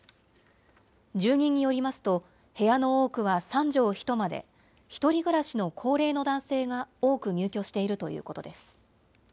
住人によりますと、部屋の多くは３畳一間で、１人暮らしの高齢の男性が多く入居しているということです。